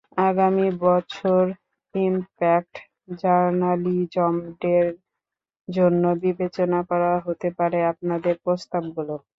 আগামী বছর impact journalism ডের জন্য বিবেচনা করা হতে পারে আপনাদের প্রস্তাবগুলো।